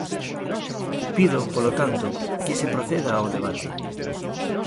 Pido, polo tanto, que se proceda ao debate.